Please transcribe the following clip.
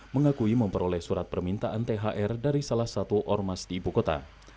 mengakui memperoleh surat permintaan thr dari salah satu ormas di ibu kota